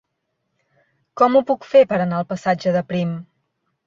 Com ho puc fer per anar al passatge de Prim?